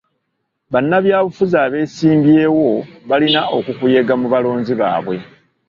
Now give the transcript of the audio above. Bannabyabufuzi abeesimbyewo balina okukuyega mu balonzi baabwe.